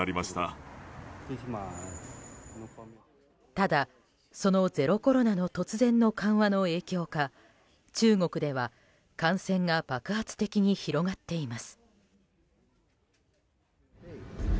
ただ、そのゼロコロナの突然の緩和の影響か中国では感染が爆発的に広がっています。